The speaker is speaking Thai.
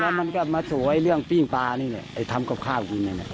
แล้วมันก็มาสู่เรื่องปิ้งปลานี่ทำกับข้าวอยู่นี่